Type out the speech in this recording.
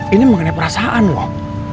ini mengenai perasaan loh